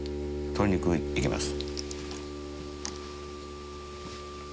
鶏肉行きます。